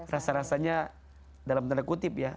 rasa rasanya dalam tanda kutip ya